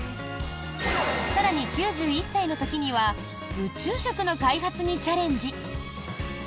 更に９１歳の時には宇宙食の開発にチャレンジ！